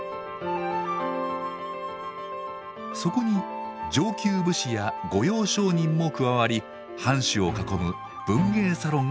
そこに上級武士や御用商人も加わり藩主を囲む文芸サロンができます。